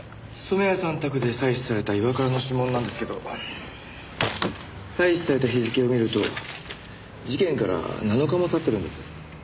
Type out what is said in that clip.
染谷さん宅で採取された岩倉の指紋なんですけど採取された日付を見ると事件から７日も経ってるんです。